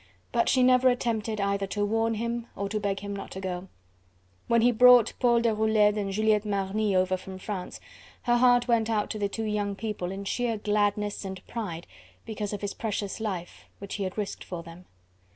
But she never attempted either to warn him or to beg him not to go. When he brought Paul Deroulede and Juliette Marny over from France, her heart went out to the two young people in sheer gladness and pride because of his precious life, which he had risked for them.